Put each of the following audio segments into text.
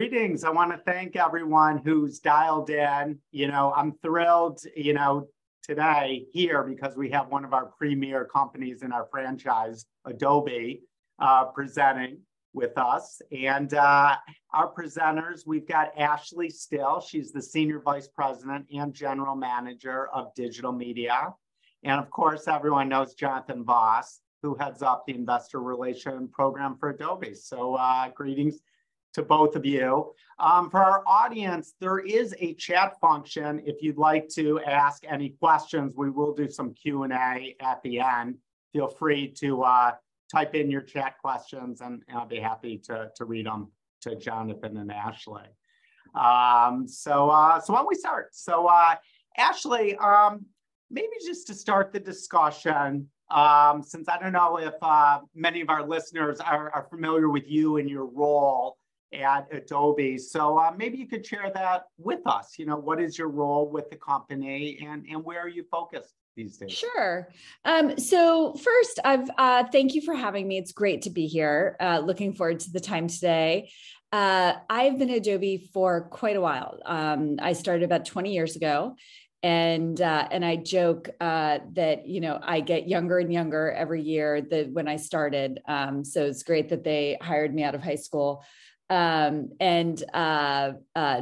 Greetings! I want to thank everyone who's dialed in. You know, I'm thrilled, you know, today, here, because we have one of our premier companies in our franchise, Adobe, presenting with us. Our presenters, we've got Ashley Still, she's the Senior Vice President and General Manager of Digital Media. Of course, everyone knows Jonathan Vaas, who heads up the Investor Relations program for Adobe. Greetings to both of you. For our audience, there is a chat function if you'd like to ask any questions. We will do some Q&A at the end. Feel free to type in your chat questions, and I'll be happy to read them to Jonathan and Ashley. Why don't we start? Ashley, maybe just to start the discussion, since I don't know if many of our listeners are familiar with you and your role at Adobe, so, maybe you could share that with us. You know, what is your role with the company, and, and where are you focused these days? Sure. First, I've... thank you for having me. It's great to be here. Looking forward to the time today. I've been at Adobe for quite a while. I started about 20 years ago, and I joke that, you know, I get younger and younger every year than when I started. So it's great that they hired me out of high school. And,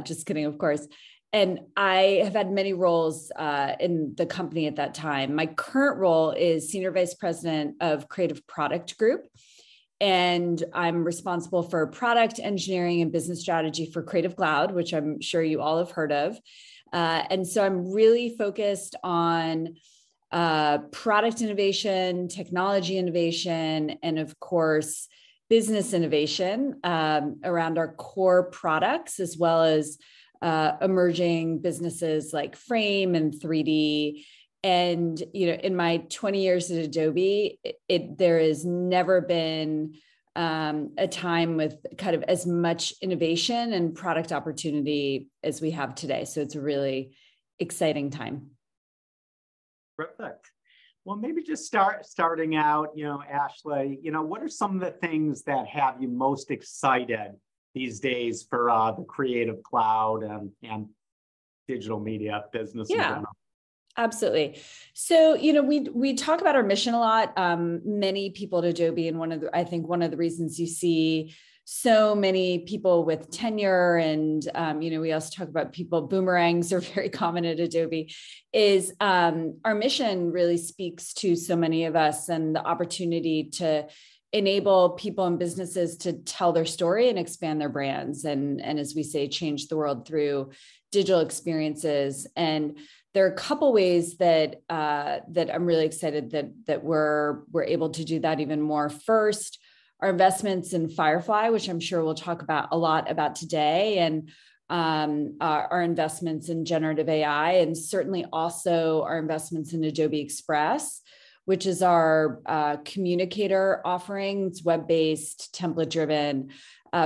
just kidding, of course. I have had many roles in the company at that time. My current role is Senior Vice President of Creative Product Group, and I'm responsible for product engineering and business strategy for Creative Cloud, which I'm sure you all have heard of. So I'm really focused on product innovation, technology innovation, and of course, business innovation, around our core products, as well as emerging businesses, like Frame.io and 3D. You know, in my 20 years at Adobe, there has never been a time with kind of as much innovation and product opportunity as we have today, so it's a really exciting time. Terrific. Well, maybe just starting out, you know, Ashley, you know, what are some of the things that have you most excited these days for the Creative Cloud and Digital Media business in general? Yeah, absolutely. You know, we talk about our mission a lot. Many people at Adobe, and one of the reasons you see so many people with tenure, you know, we also talk about people, boomerangs are very common at Adobe, is, our mission really speaks to so many of us, and the opportunity to enable people and businesses to tell their story and expand their brands. As we say, "Change the world through digital experiences." There are a couple ways that I'm really excited that we're able to do that even more. First, our investments in Firefly, which I'm sure we'll talk about a lot today, and our investments in generative AI, and certainly also our investments in Adobe Express, which is our communicator offering. It's web-based, template-driven,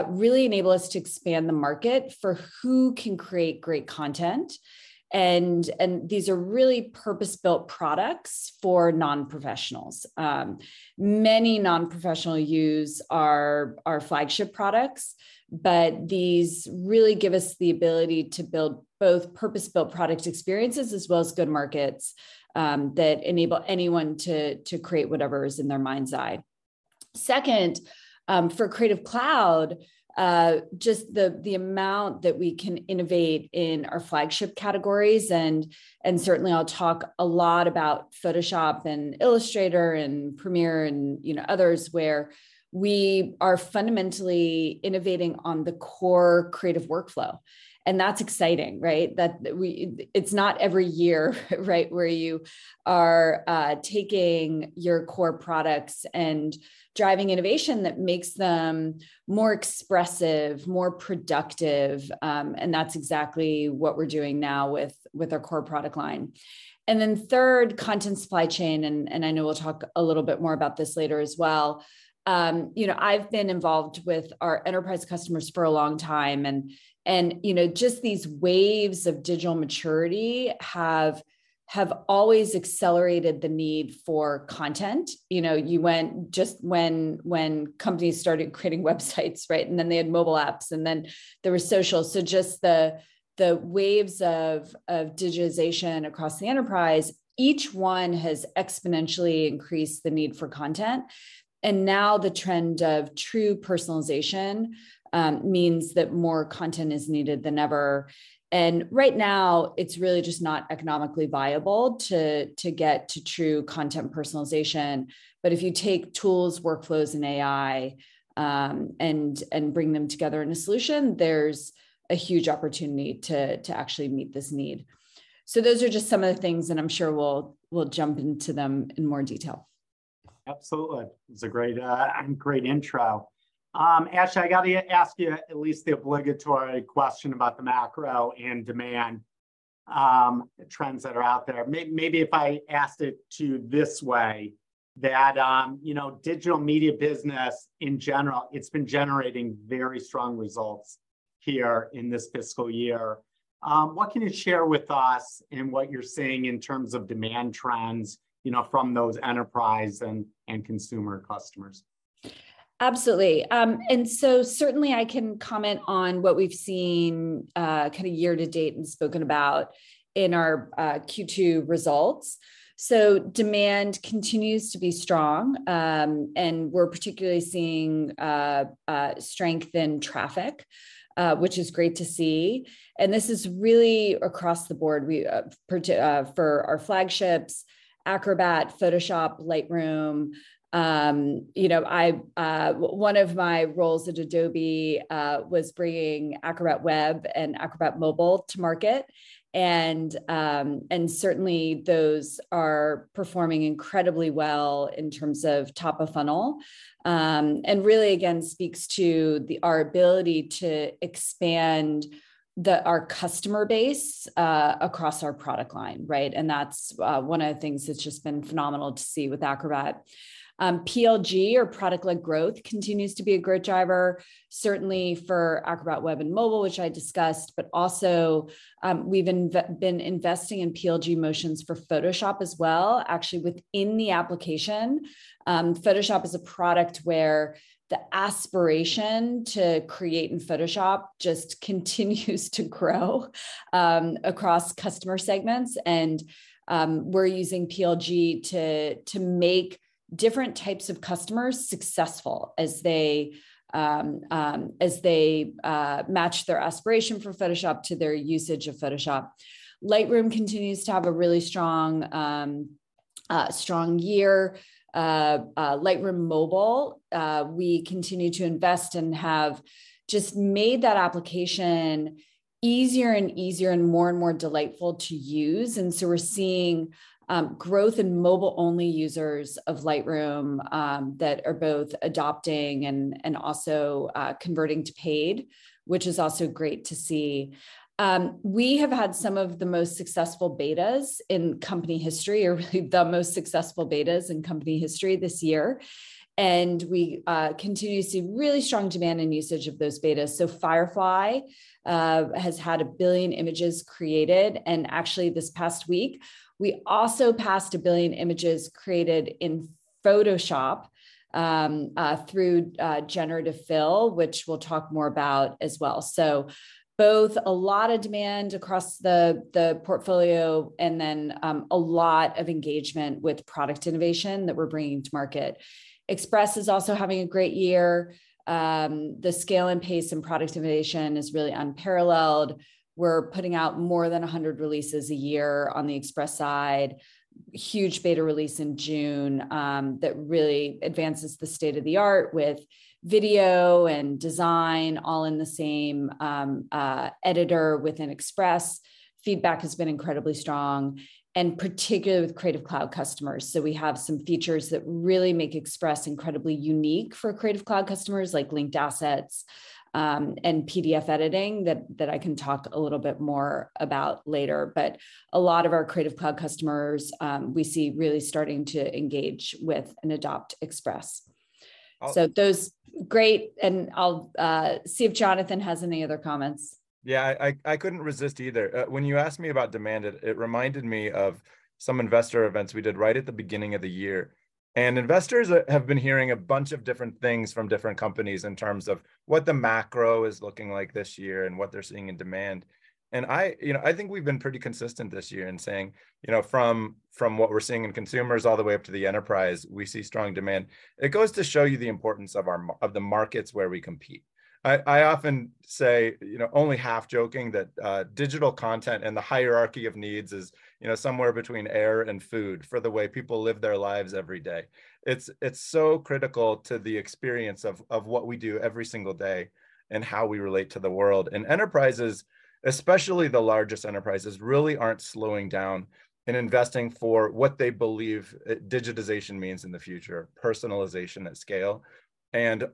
really enable us to expand the market for who can create great content. These are really purpose-built products for non-professionals. Many non-professional use our flagship products, but these really give us the ability to build both purpose-built product experiences as well as good markets that enable anyone to create whatever is in their mind's eye. Second, for Creative Cloud, just the amount that we can innovate in our flagship categories, and certainly I'll talk a lot about Photoshop, and Illustrator, and Premiere, and, you know, others, where we are fundamentally innovating on the core creative workflow, and that's exciting, right? That we... It's not every year, right, where you are taking your core products and driving innovation that makes them more expressive, more productive, and that's exactly what we're doing now with, with our core product line. Third, content supply chain, and, and I know we'll talk a little bit more about this later as well. You know, I've been involved with our enterprise customers for a long time, and, and, you know, just these waves of digital maturity have, have always accelerated the need for content. You know, just when companies started creating websites, right, and then they had mobile apps, and then there was social. Just the, the waves of, of digitization across the enterprise, each one has exponentially increased the need for content. Now the trend of true personalization, means that more content is needed than ever. Right now, it's really just not economically viable to get to true content personalization. If you take tools, workflows, and AI, and bring them together in a solution, there's a huge opportunity to actually meet this need. Those are just some of the things, and I'm sure we'll, we'll jump into them in more detail. Absolutely. It's a great, great intro. Ashley, I gotta ask you at least the obligatory question about the macro and demand trends that are out there. Maybe if I asked it to you this way, that, you know, Digital Media business in general, it's been generating very strong results here in this fiscal year. What can you share with us in what you're seeing in terms of demand trends, you know, from those enterprise and, and consumer customers? Absolutely. Certainly I can comment on what we've seen kind of year to date and spoken about in our Q2 results. Demand continues to be strong. We're particularly seeing strength in traffic, which is great to see, and this is really across the board. We for our Flagships, Acrobat, Photoshop, Lightroom. You know, I one of my roles at Adobe was bringing Acrobat Web and Acrobat Mobile to market, certainly those are performing incredibly well in terms of top of funnel. Really again, speaks to our ability to expand our customer base across our product line, right? That's one of the things that's just been phenomenal to see with Acrobat. PLG, or product-led growth, continues to be a great driver, certainly for Acrobat Web and Mobile, which I discussed, but also, we've been investing in PLG motions for Photoshop as well, actually within the application. Photoshop is a product where the aspiration to create in Photoshop just continues to grow, across customer segments, and, we're using PLG to, to make different types of customers successful as they, as they match their aspiration for Photoshop to their usage of Photoshop. Lightroom continues to have a really strong, strong year. Lightroom Mobile, we continue to invest and have just made that application easier and easier and more and more delightful to use. We're seeing growth in mobile-only users of Lightroom that are both adopting and, and also converting to paid, which is also great to see. We have had some of the most successful betas in company history, or really the most successful betas in company history this year, and we continue to see really strong demand and usage of those betas. Firefly has had 1 billion images created, and actually, this past week, we also passed 1 billion images created in Photoshop through Generative Fill, which we'll talk more about as well. Both a lot of demand across the portfolio and then a lot of engagement with product innovation that we're bringing to market. Express is also having a great year. The scale and pace in product innovation is really unparalleled. We're putting out more than 100 releases a year on the Express side. Huge beta release in June that really advances the state-of-the-art with video and design, all in the same editor within Express. Feedback has been incredibly strong, and particularly with Creative Cloud customers. We have some features that really make Express incredibly unique for Creative Cloud customers, like linked assets and PDF editing that I can talk a little bit more about later. A lot of our Creative Cloud customers, we see really starting to engage with and adopt Express. Um- Those great. I'll see if Jonathan has any other comments. Yeah, I, I, I couldn't resist either. When you asked me about demand, it, it reminded me of some investor events we did right at the beginning of the year. Investors have been hearing a bunch of different things from different companies in terms of what the macro is looking like this year and what they're seeing in demand. I, you know, I think we've been pretty consistent this year in saying, you know, from, from what we're seeing in consumers all the way up to the enterprise, we see strong demand. It goes to show you the importance of our markets where we compete. I, I often say, you know, only half joking, that digital content and the hierarchy of needs is, you know, somewhere between air and food for the way people live their lives every day. It's so critical to the experience of what we do every single day and how we relate to the world. Enterprises, especially the largest enterprises, really aren't slowing down in investing for what they believe digitization means in the future, personalization at scale.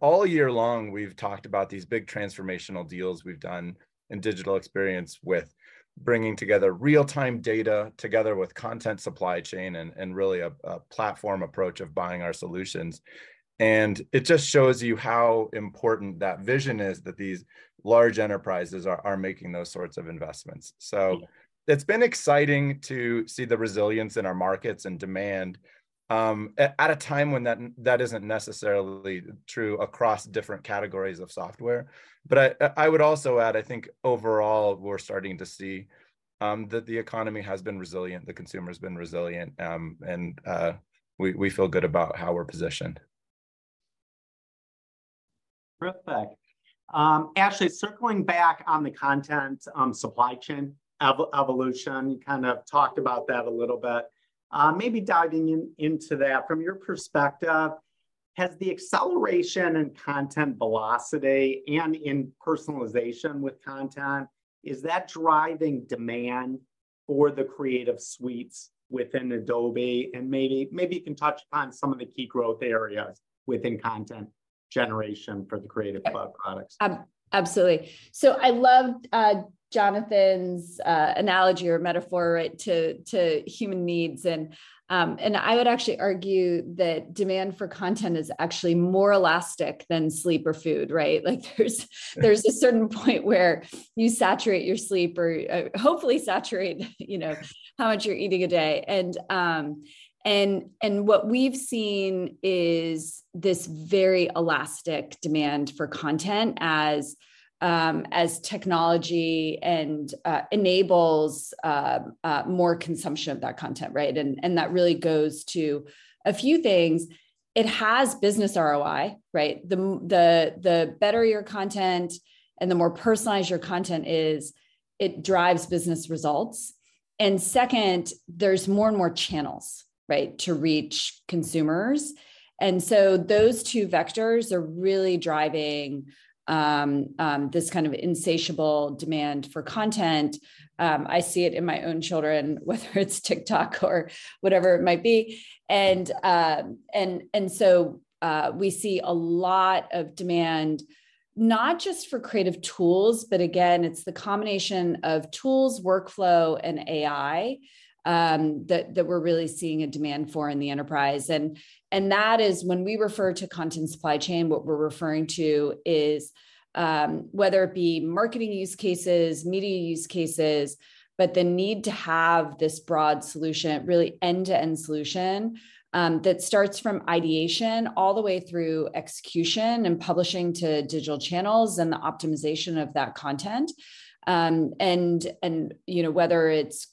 All year long, we've talked about these big transformational deals we've done in Digital Experience with bringing together real-time data together with content supply chain and really a platform approach of buying our solutions. It just shows you how important that vision is, that these large enterprises are making those sorts of investments. Yeah. It's been exciting to see the resilience in our markets and demand, at, at a time when that, that isn't necessarily true across different categories of software. I, I, I would also add, I think overall, we're starting to see, that the economy has been resilient, the consumer's been resilient, and, we, we feel good about how we're positioned. Perfect. Actually circling back on the content supply chain evolution, you kind of talked about that a little bit. Maybe diving into that, from your perspective, has the acceleration in content velocity and in personalization with content, is that driving demand? For the Creative Suite within Adobe, and maybe you can touch upon some of the key growth areas within content generation for the Creative Cloud products. Absolutely. I loved Jonathan's analogy or metaphor, right, to human needs. I would actually argue that demand for content is actually more elastic than sleep or food, right? Like, there's, there's a certain point where you saturate your sleep or, or hopefully saturate, you know, how much you're eating a day. What we've seen is this very elastic demand for content as technology and enables more consumption of that content, right? That really goes to a few things. It has business ROI, right? The better your content and the more personalized your content is, it drives business results. Second, there's more and more channels, right, to reach consumers. Those two vectors are really driving this kind of insatiable demand for content. I see it in my own children, whether it's TikTok or whatever it might be. We see a lot of demand, not just for creative tools, but again, it's the combination of tools, workflow, and AI that we're really seeing a demand for in the enterprise. That is when we refer to content supply chain, what we're referring to is whether it be marketing use cases, media use cases, but the need to have this broad solution, really end-to-end solution, that starts from ideation all the way through execution and publishing to digital channels, and the optimization of that content. You know, whether it's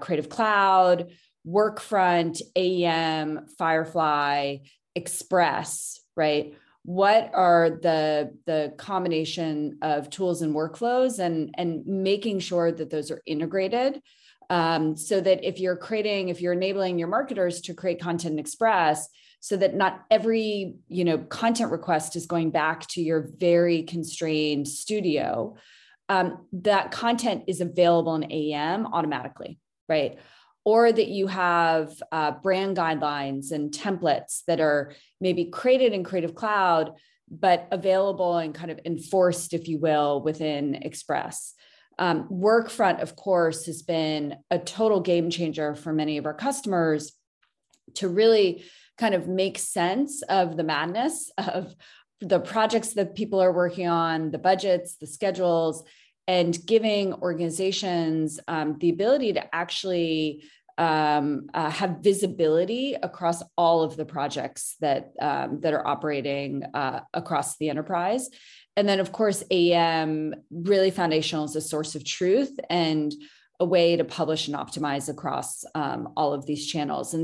Creative Cloud, Workfront, AEM, Firefly, Express, right? What are the, the combination of tools and workflows, and, and making sure that those are integrated, so that if you're enabling your marketers to create content in Express, so that not every, you know, content request is going back to your very constrained studio, that content is available in AEM automatically, right. That you have, brand guidelines and templates that are maybe created in Creative Cloud, but available and kind of enforced, if you will, within Express. Workfront, of course, has been a total game changer for many of our customers to really kind of make sense of the madness of the projects that people are working on, the budgets, the schedules, and giving organizations, the ability to actually, have visibility across all of the projects that, that are operating, across the enterprise. Of course, AEM, really foundational as a source of truth and a way to publish and optimize across all of these channels.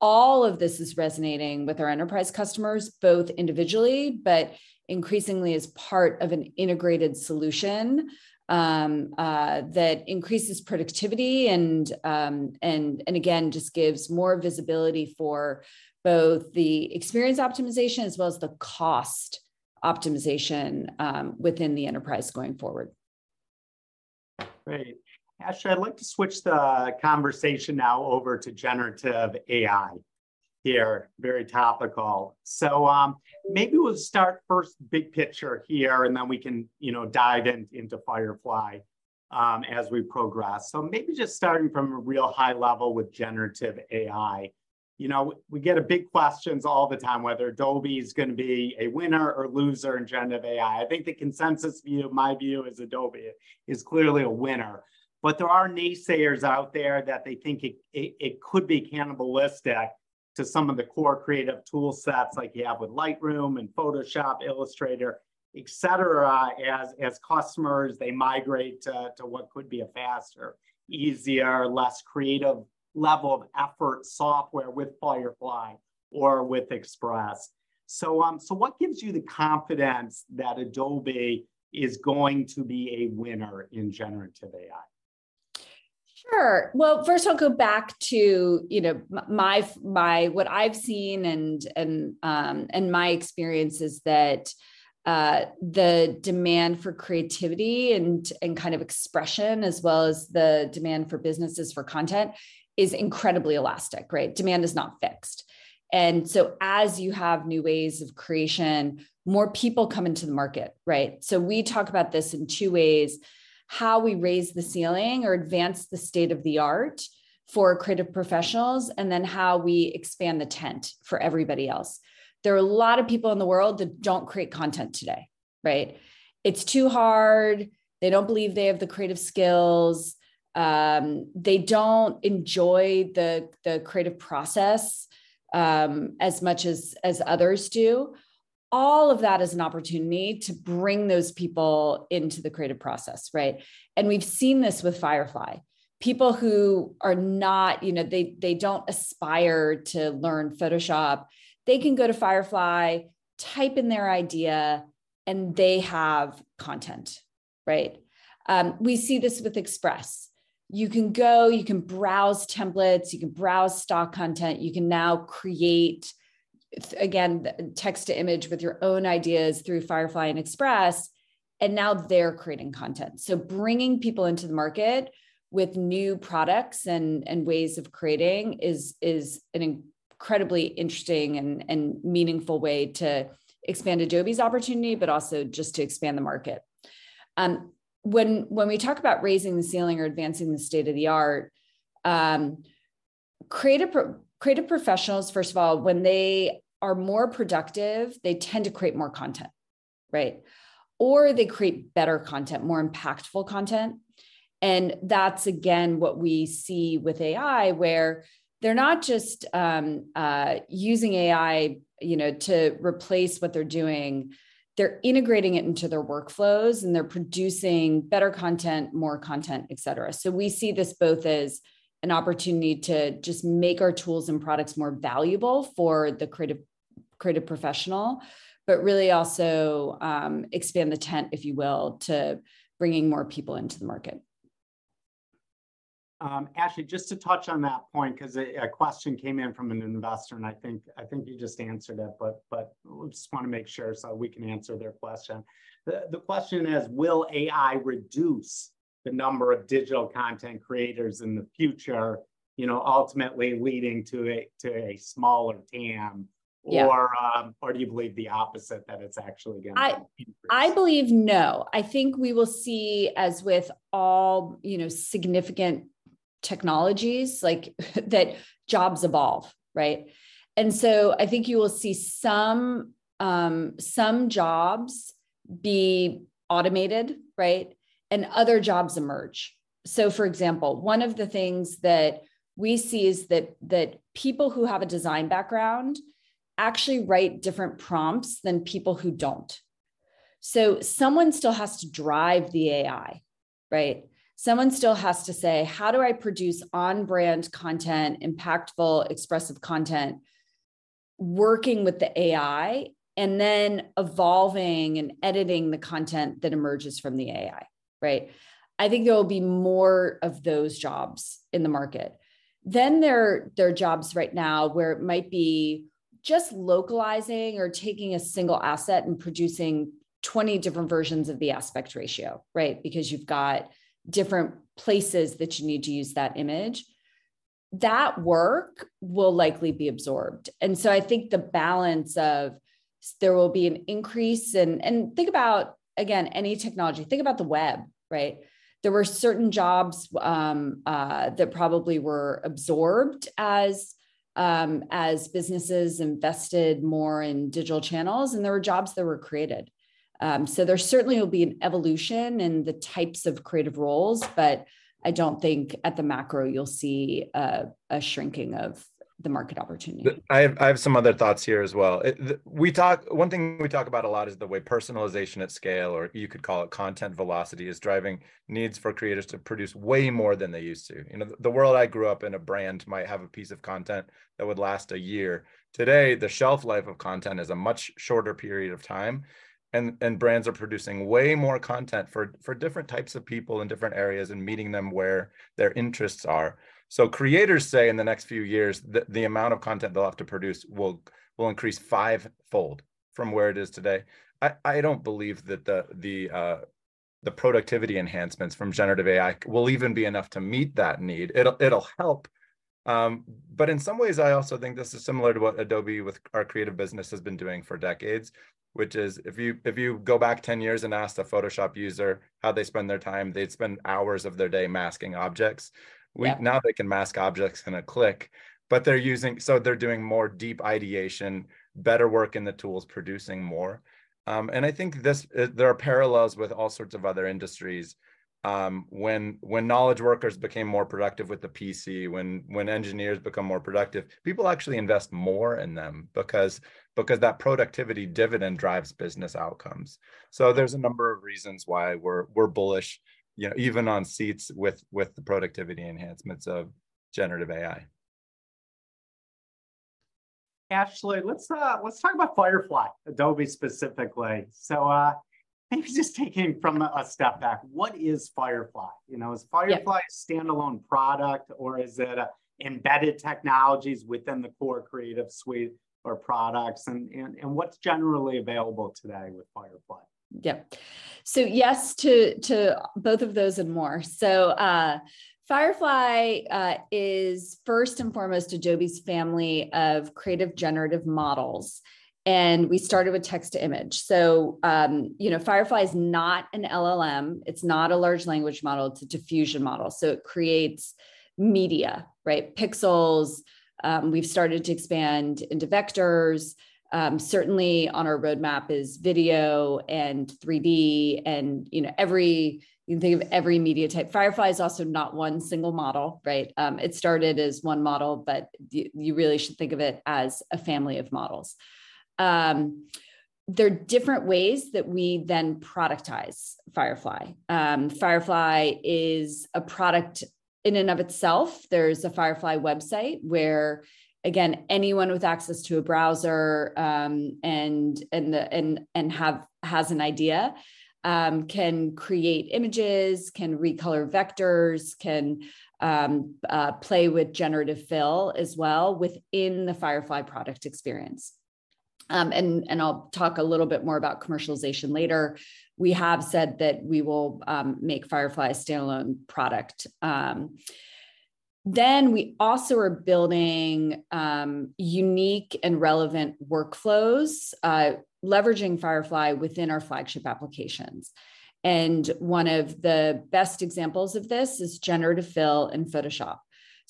All of this is resonating with our enterprise customers, both individually, but increasingly as part of an integrated solution that increases productivity and, and again, just gives more visibility for both the experience optimization, as well as the cost optimization within the enterprise going forward. Great. Ashley, I'd like to switch the conversation now over to generative AI here. Very topical. Maybe we'll start first big picture here, and then we can, you know, dive in, into Firefly, as we progress. Maybe just starting from a real high level with generative AI. You know, we get a big questions all the time, whether Adobe is gonna be a winner or loser in generative AI. I think the consensus view, my view, is Adobe is clearly a winner. There are naysayers out there that they think it could be cannibalistic to some of the core creative tool sets like you have with Lightroom and Photoshop, Illustrator, et cetera, as customers, they migrate to what could be a faster, easier, less creative level of effort software with Firefly or with Express. What gives you the confidence that Adobe is going to be a winner in generative AI? Sure. Well, first I'll go back to, you know, my... What I've seen and, and, and my experience is that, the demand for creativity and, and kind of expression, as well as the demand for businesses for content, is incredibly elastic, right? Demand is not fixed. So as you have new ways of creation, more people come into the market, right? So we talk about this in two ways: how we raise the ceiling or advance the state-of-the-art for creative professionals, and then how we expand the tent for everybody else. There are a lot of people in the world that don't create content today, right? It's too hard. They don't believe they have the creative skills. They don't enjoy the, the creative process, as much as, as others do. All of that is an opportunity to bring those people into the creative process, right? We've seen this with Firefly. People who are not, you know, they, they don't aspire to learn Photoshop, they can go to Firefly, type in their idea, and they have content, right? We see this with Express. You can go, you can browse templates, you can browse stock content, you can now again, the text-to-image with your own ideas through Firefly and Express, and now they're creating content. Bringing people into the market with new products and, and ways of creating is, is an incredibly interesting and, and meaningful way to expand Adobe's opportunity, but also just to expand the market. When, when we talk about raising the ceiling or advancing the state-of-the-art, creative professionals, first of all, when they are more productive, they tend to create more content, right? They create better content, more impactful content, and that's again, what we see with AI, where they're not just, using AI, you know, to replace what they're doing. They're integrating it into their workflows, and they're producing better content, more content, et cetera. We see this both as an opportunity to just make our tools and products more valuable for the creative, creative professional, but really also, expand the tent, if you will, to bringing more people into the market. Ashley, just to touch on that point, 'cause a, a question came in from an investor, and I think, I think you just answered it, but, but just wanna make sure so we can answer their question. The, the question is, will AI reduce the number of digital content creators in the future, you know, ultimately leading to a, to a smaller TAM... Yeah... or, or do you believe the opposite, that it's actually gonna increase? I believe no. I think we will see, as with all, you know, significant technologies, like, that jobs evolve, right? I think you will see some jobs be automated, right? Other jobs emerge. For example, one of the things that we see is that people who have a design background actually write different prompts than people who don't. Someone still has to drive the AI, right? Someone still has to say: "How do I produce on-brand content, impactful, expressive content," working with the AI and then evolving and editing the content that emerges from the AI, right? I think there will be more of those jobs in the market. There are, there are jobs right now where it might be just localizing or taking a single asset and producing 20 different versions of the aspect ratio, right? Because you've got different places that you need to use that image. That work will likely be absorbed. I think the balance of there will be an increase. Think about, again, any technology. Think about the web, right? There were certain jobs that probably were absorbed as businesses invested more in digital channels, and there were jobs that were created. There certainly will be an evolution in the types of creative roles, but I don't think at the macro you'll see a shrinking of the market opportunity. I have, I have some other thoughts here as well. One thing we talk about a lot is the way personalization at scale, or you could call it content velocity, is driving needs for creators to produce way more than they used to. You know, the, the world I grew up in, a brand might have a piece of content that would last a year. Today, the shelf life of content is a much shorter period of time, and, and brands are producing way more content for, for different types of people in different areas and meeting them where their interests are. Creators say in the next few years that the amount of content they'll have to produce will, will increase fivefold from where it is today. I, I don't believe that the, the, the productivity enhancements from generative AI will even be enough to meet that need. It'll, it'll help, but in some ways, I also think this is similar to what Adobe, with our creative business, has been doing for decades, which is, if you, if you go back 10 years and ask a Photoshop user how they spend their time, they'd spend hours of their day masking objects. Yep. Now they can mask objects in a click, but they're so they're doing more deep ideation, better work in the tools, producing more. I think this, there are parallels with all sorts of other industries. When, when knowledge workers became more productive with the PC, when, when engineers become more productive, people actually invest more in them because, because that productivity dividend drives business outcomes. Yeah. There's a number of reasons why we're bullish, you know, even on seats with the productivity enhancements of generative AI. Ashley, let's, let's talk about Firefly, Adobe specifically. maybe just taking from a step back, what is Firefly? You know, is Firefly. Yeah... a standalone product, or is it an embedded technologies within the core Creative Suite or products? What's generally available today with Firefly? Yep. Yes to, to both of those and more. Firefly is first and foremost Adobe's family of creative generative models, and we started with text-to-image. You know, Firefly is not an LLM. It's not a large language model. It's a diffusion model. It creates media, right? Pixels, we've started to expand into vectors. Certainly on our roadmap is video and 3D and, you know, you can think of every media type. Firefly is also not one single model, right? It started as one model, but you, you really should think of it as a family of models. There are different ways that we then productize Firefly. Firefly is a product in and of itself. There's a Firefly website where, again, anyone with access to a browser and has an idea can create images, can recolor vectors, can play with Generative Fill as well within the Firefly product experience. I'll talk a little bit more about commercialization later. We have said that we will make Firefly a standalone product. We also are building unique and relevant workflows leveraging Firefly within our flagship applications, and one of the best examples of this is Generative Fill in Photoshop.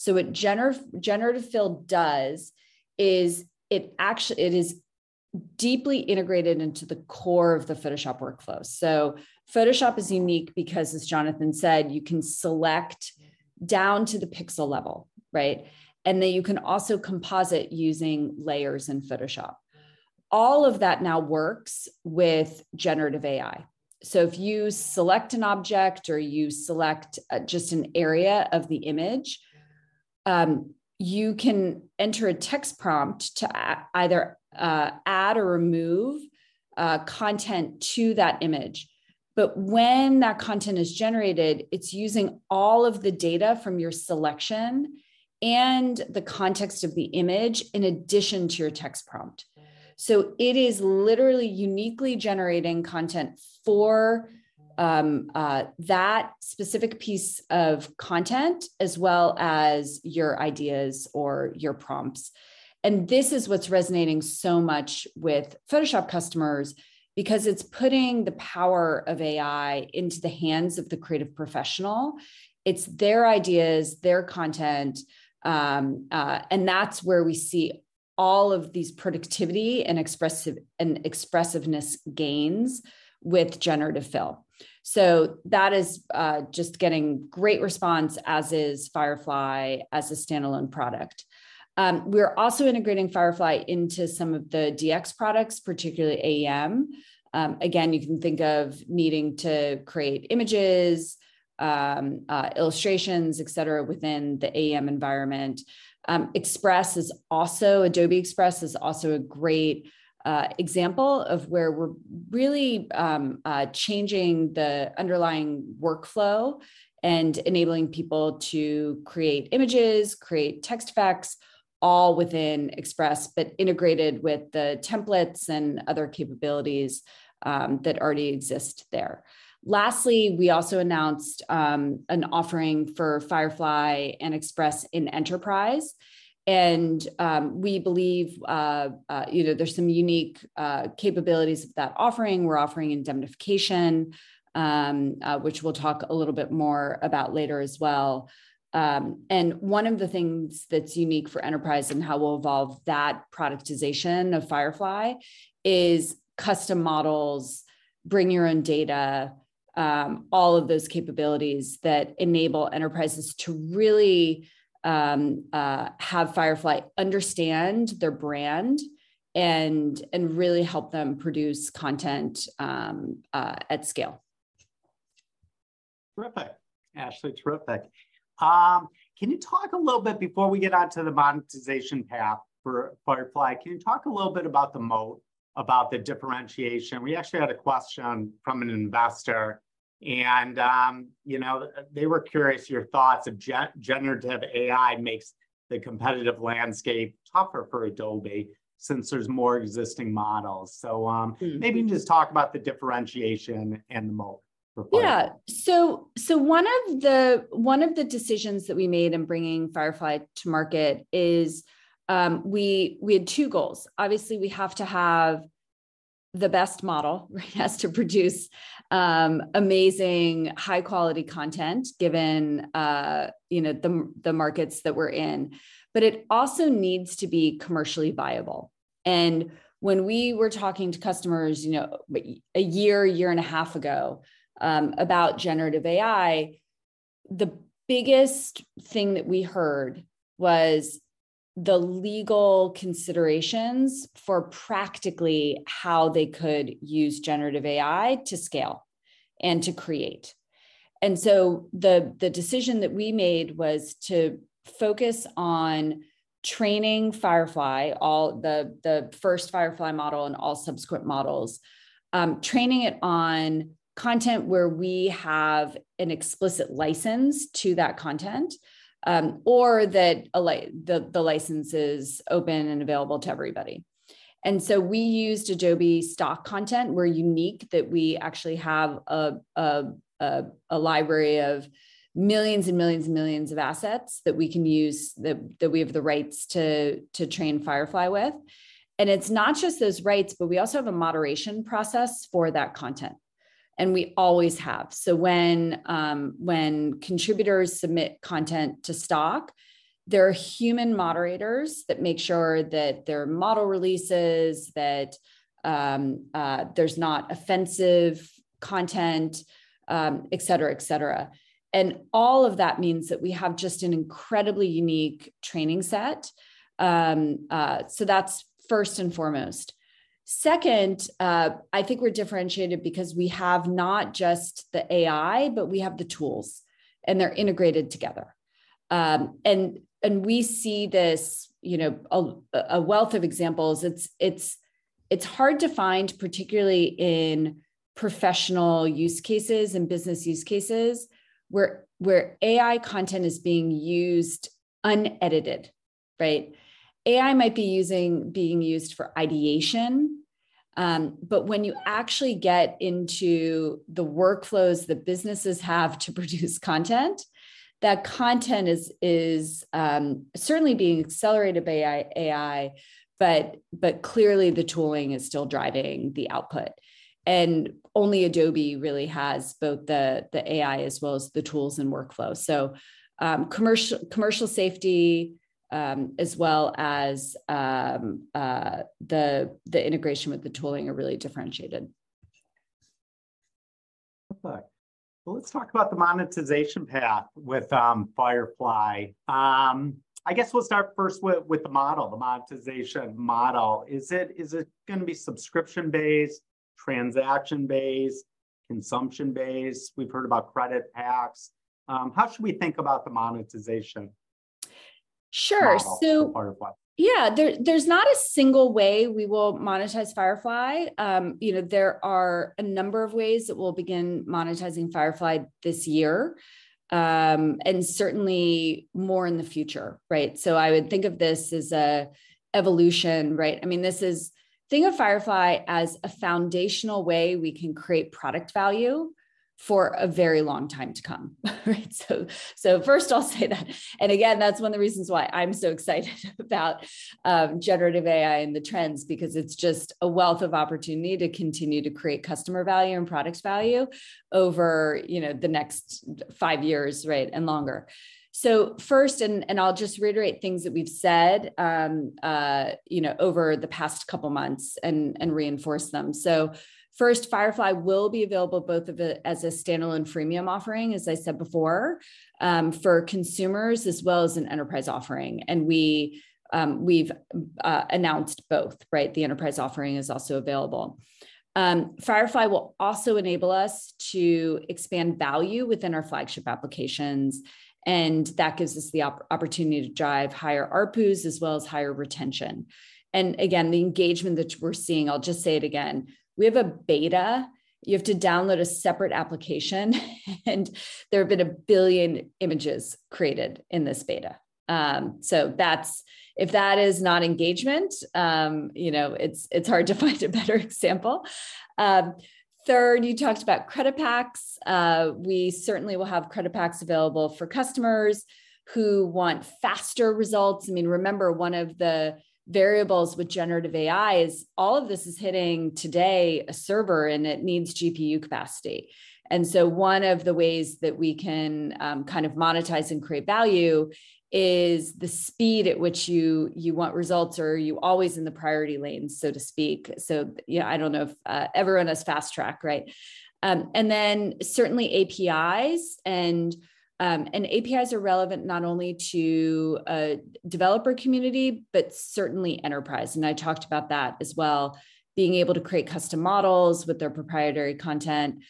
What Generative Fill does is it is deeply integrated into the core of the Photoshop workflows. Photoshop is unique because, as Jonathan said, you can select down to the pixel level, right? Then you can also composite using layers in Photoshop. All of that now works with generative AI. If you select an object or you select just an area of the image, you can enter a text prompt to either add or remove content to that image. When that content is generated, it's using all of the data from your selection and the context of the image in addition to your text prompt. It is literally uniquely generating content for that specific piece of content, as well as your ideas or your prompts. This is what's resonating so much with Photoshop customers, because it's putting the power of AI into the hands of the creative professional. It's their ideas, their content, and that's where we see all of these productivity and expressiv- and expressiveness gains with Generative Fill. That is just getting great response, as is Firefly as a standalone product. We're also integrating Firefly into some of the DX products, particularly AEM. Again, you can think of needing to create images, illustrations, et cetera, within the AEM environment. Adobe Express is also a great example of where we're really changing the underlying workflow and enabling people to create images, create text effects, all within Express, but integrated with the templates and other capabilities that already exist there. Lastly, we also announced an offering for Firefly and Express in Enterprise. We believe, you know, there's some unique capabilities of that offering. We're offering indemnification, which we'll talk a little bit more about later as well. One of the things that's unique for enterprise and how we'll evolve that productization of Firefly is Custom Models, bring your own data, all of those capabilities that enable enterprises to really have Firefly understand their brand and really help them produce content at scale. Terrific. Ashley, terrific. Can you talk a little bit-- Before we get onto the monetization path for Firefly, can you talk a little bit about the moat, about the differentiation? We actually had a question from an investor, and, you know, they were curious your thoughts if generative AI makes the competitive landscape tougher for Adobe, since there's more existing models. Mm-hmm... maybe just talk about the differentiation and the moat for Firefly. Yeah. One of the, one of the decisions that we made in bringing Firefly to market is, we, we had two goals. Obviously, we have to have the best model, right? It has to produce, amazing, high-quality content, given, you know, the, the markets that we're in, but it also needs to be commercially viable. When we were talking to customers, you know, a year, one and a half ago, about generative AI, the biggest thing that we heard was the legal considerations for practically how they could use generative AI to scale and to create. The, the decision that we made was to focus on training Firefly, all the, the first Firefly model and all subsequent models, training it on content where we have an explicit license to that content, or that a the, the license is open and available to everybody. We used Adobe Stock content. We're unique that we actually have a, a, a, a library of millions and millions and millions of assets that we can use, that, that we have the rights to, to train Firefly with. It's not just those rights, but we also have a moderation process for that content, and we always have. So when, when contributors submit content to Stock, there are human moderators that make sure that there are model releases, that, there's not offensive content, et cetera, et cetera. All of that means that we have just an incredibly unique training set. That's first and foremost. Second, I think we're differentiated because we have not just the AI, but we have the tools, and they're integrated together. We see this, you know, a wealth of examples. It's hard to find, particularly in professional use cases and business use cases, where AI content is being used unedited, right? AI might be using, being used for ideation, but when you actually get into the workflows that businesses have to produce content, that content is certainly being accelerated by AI, but clearly the tooling is still driving the output. Only Adobe really has both the AI as well as the tools and workflows. Commercial, commercial safety, as well as, the, the integration with the tooling are really differentiated. Perfect. Well, let's talk about the monetization path with, Firefly. I guess we'll start first with, with the model, the monetization model. Is it, is it gonna be subscription-based, transaction-based, consumption-based? We've heard about credit packs. How should we think about the monetization- Sure. Model for Firefly? Yeah. There, there's not a single way we will monetize Firefly. You know, there are a number of ways that we'll begin monetizing Firefly this year, and certainly more in the future, right? I would think of this as a evolution, right? I mean, this is... Think of Firefly as a foundational way we can create product value for a very long time to come, right? First, I'll say that. Again, that's one of the reasons why I'm so excited about generative AI and the trends, because it's just a wealth of opportunity to continue to create customer value and product value over, you know, the next five years, right, and longer. First, I'll just reiterate things that we've said, you know, over the past couple months and reinforce them. First, Firefly will be available both of it as a standalone freemium offering, as I said before, for consumers, as well as an enterprise offering, and we've announced both, right? The enterprise offering is also available. Firefly will also enable us to expand value within our flagship applications, and that gives us the opportunity to drive higher ARPUs, as well as higher retention. Again, the engagement that we're seeing, I'll just say it again, we have a beta. You have to download a separate application, and there have been 1 billion images created in this beta. That's-- If that is not engagement, you know, it's, it's hard to find a better example. Third, you talked about credit packs. We certainly will have credit packs available for customers who want faster results. I mean, remember, one of the variables with generative AI is all of this is hitting today a server, and it needs GPU capacity. One of the ways that we can kind of monetize and create value is the speed at which you, you want results, or are you always in the priority lane, so to speak. I don't know if everyone has fast track, right? Certainly APIs, and APIs are relevant not only to a developer community, but certainly enterprise, and I talked about that as well, being able to create Custom Models with their proprietary content.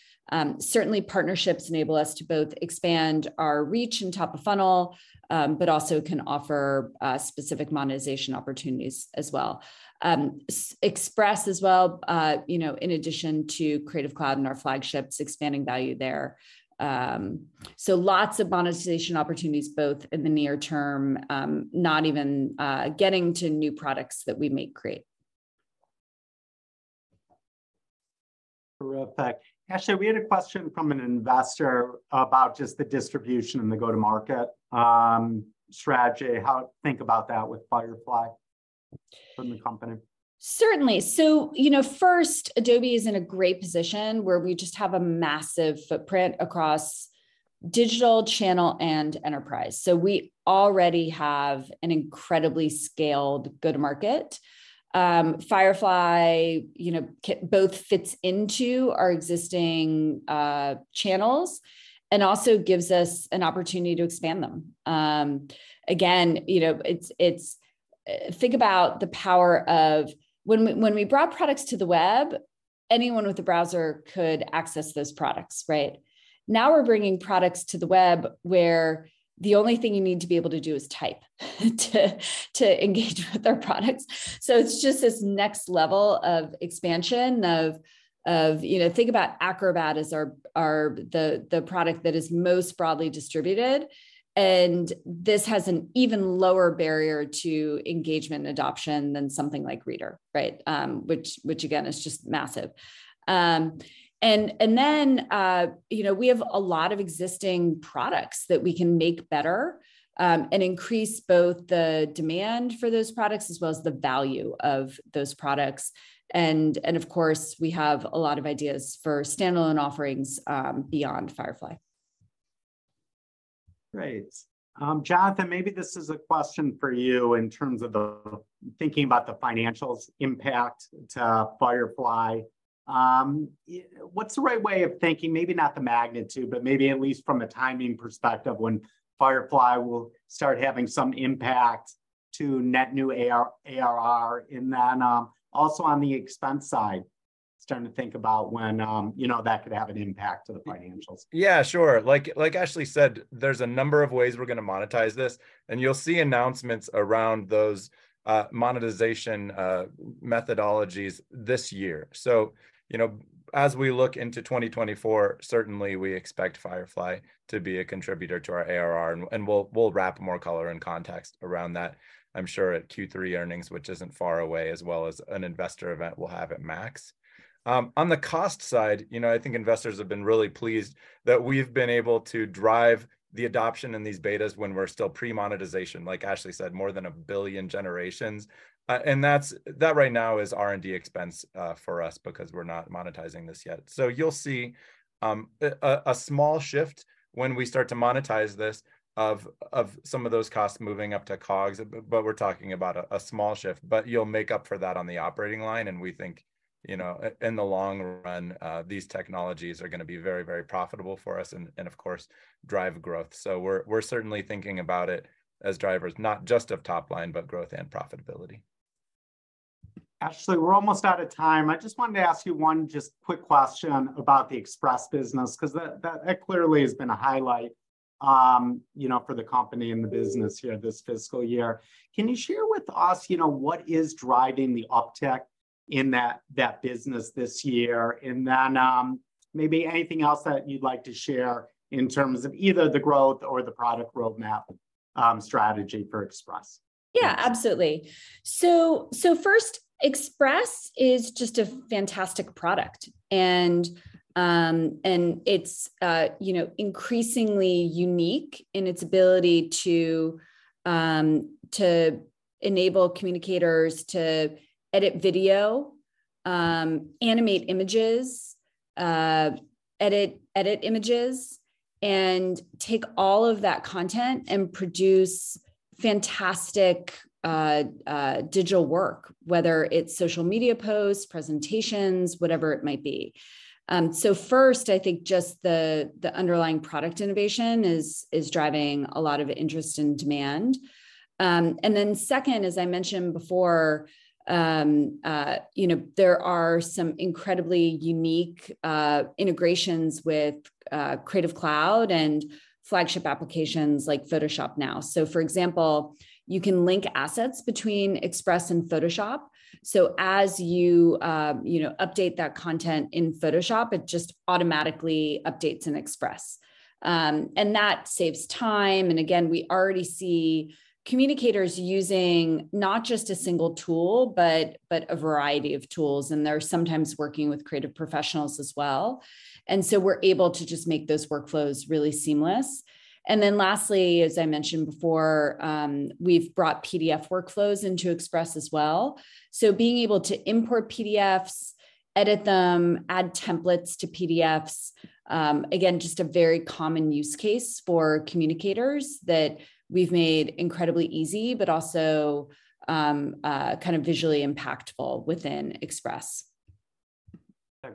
Certainly, partnerships enable us to both expand our reach and top of funnel, but also can offer specific monetization opportunities as well. Express as well, you know, in addition to Creative Cloud and our flagships, expanding value there. Lots of monetization opportunities, both in the near term, not even getting to new products that we may create. Terrific! Actually, we had a question from an investor about just the distribution and the go-to-market strategy. How to think about that with Firefly from the company? Certainly. You know, first, Adobe is in a great position where we just have a massive footprint across digital channel and enterprise. We already have an incredibly scaled go-to-market. Firefly, you know, both fits into our existing channels and also gives us an opportunity to expand them. Again, you know, it's. Think about the power of when we, when we brought products to the web, anyone with a browser could access those products, right? Now we're bringing products to the web, where the only thing you need to be able to do is type to, to engage with our products. It's just this next level of expansion of, you know. Think about Acrobat as our, our, the, the product that is most broadly distributed, and this has an even lower barrier to engagement and adoption than something like Reader, right? Which, which, again, is just massive. Then, you know, we have a lot of existing products that we can make better, and increase both the demand for those products, as well as the value of those products. Of course, we have a lot of ideas for standalone offerings, beyond Firefly. Great. Jonathan, maybe this is a question for you in terms of the thinking about the financials impact to Firefly. What's the right way of thinking, maybe not the magnitude, but maybe at least from a timing perspective, when Firefly will start having some impact to net new ARR, and then, also on the expense side? Starting to think about when, you know, that could have an impact to the financials? Yeah, sure. Like Ashley said, there's a number of ways we're gonna monetize this. You'll see announcements around those monetization methodologies this year. You know, as we look into 2024, certainly we expect Firefly to be a contributor to our ARR. We'll wrap more color and context around that, I'm sure at Q3 earnings, which isn't far away, as well as an investor event we'll have at MAX. On the cost side, you know, I think investors have been really pleased that we've been able to drive the adoption in these betas when we're still pre-monetization. Like Ashley said, more than 1 billion generations. That right now is R&D expense for us because we're not monetizing this yet. You'll see a small shift when we start to monetize this of some of those costs moving up to COGS, but we're talking about a small shift, but you'll make up for that on the operating line. We think, you know, in the long run, these technologies are gonna be very, very profitable for us and of course, drive growth. We're certainly thinking about it as drivers, not just of top line, but growth and profitability. Ashley, we're almost out of time. I just wanted to ask you one just quick question about the Express business, 'cause that clearly has been a highlight, you know, for the company and the business here this fiscal year. Can you share with us, you know, what is driving the up-tick in that, that business this year? Then, maybe anything else that you'd like to share in terms of either the growth or the product roadmap, strategy for Express? Yeah, absolutely. First, Express is just a fantastic product, and it's, you know, increasingly unique in its ability to enable communicators to edit video, animate images, edit, edit images, and take all of that content and produce fantastic digital work, whether it's social media posts, presentations, whatever it might be. First, I think just the underlying product innovation is driving a lot of interest and demand. Then second, as I mentioned before, you know, there are some incredibly unique integrations with Creative Cloud and flagship applications like Photoshop now. For example, you can link assets between Express and Photoshop, so as you, you know, update that content in Photoshop, it just automatically updates in Express. That saves time, and again, we already see communicators using not just a single tool, but, but a variety of tools, and they're sometimes working with creative professionals as well. We're able to just make those workflows really seamless. Lastly, as I mentioned before, we've brought PDF workflows into Express as well. Being able to import PDFs, edit them, add templates to PDFs, again, just a very common use case for communicators that we've made incredibly easy, but also, kind of visually impactful within Express.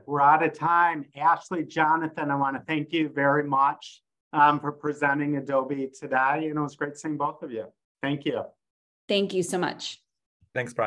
We're out of time. Ashley, Jonathan, I wanna thank you very much for presenting Adobe today. You know, it's great seeing both of you. Thank you. Thank you so much. Thanks, Mike.